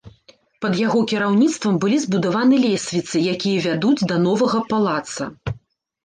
Пад яго кіраўніцтвам былі збудаваны лесвіцы, якія вядуць да новага палаца.